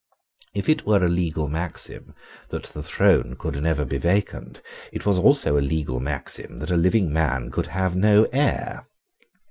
If it were a legal maxim that the throne could never be vacant, it was also a legal maxim that a living man could have no heir.